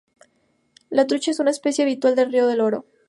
La trucha es una especie habitual del río del Oro.